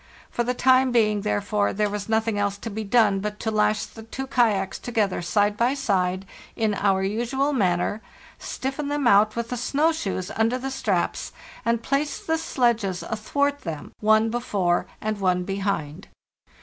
For the time being, therefore, there was nothing else to be done but to lash the two kayaks together side by side in our usual manner, stiffen them out with snow shoes under the straps, and place the sledges athwart them, one before and one behind.